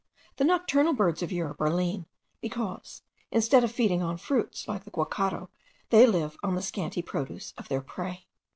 The nocturnal birds of Europe are lean, because, instead of feeding on fruits, like the guacharo, they live on the scanty produce of their prey.